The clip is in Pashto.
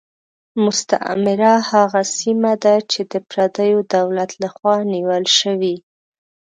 مستعمره هغه سیمه ده چې د پردیو دولت له خوا نیول شوې.